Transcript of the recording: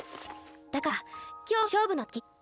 だから今日が勝負の時。